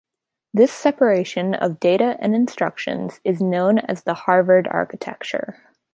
This separation of data and instructions is known as the Harvard architecture.